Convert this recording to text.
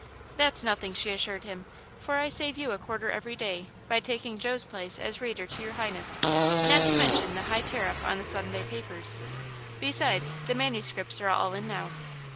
"That's nothing," she assured him, "for I save you a quarter every day, by taking Joe's place as reader to Your Highness, not to mention the high tariff on the Sunday papers. Besides, the manuscripts are all in now."